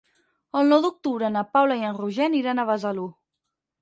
El nou d'octubre na Paula i en Roger aniran a Besalú.